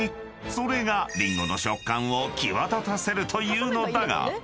［それがりんごの食感を際立たせるというのだが］